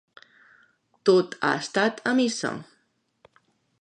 Tot ha estat a missa.